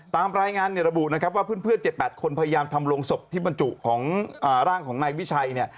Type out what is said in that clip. ตามรายงานเนี่ยระบุนะครับว่าเพื่อน๗๘คนพยายามทำโรงศพที่บรรจุของร่างของนายวิชัยเนี่ย